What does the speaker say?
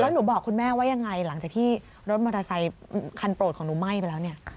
แล้วหนูบอกคุณแม่ว่ายังไงหลังจากที่รถมอเตอร์ไซคันโปรดของหนูไหม้ไปแล้วเนี่ย